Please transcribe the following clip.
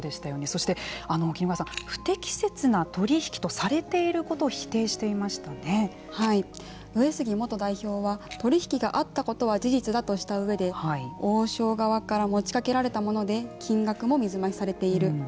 そして、不適な取り引きとされていることを上杉元代表は取り引きがあったことは事実だとした上で王将側から持ちかけられたもので金額も水増しされている。